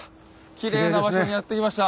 きれいな場所にやって来ました。